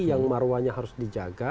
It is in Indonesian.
yang maruahnya harus dijaga